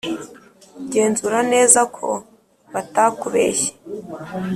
genzura neza ko batakubeshy